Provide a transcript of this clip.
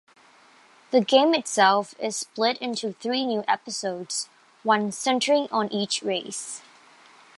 The game itself is split into three new episodes, one centering on each race.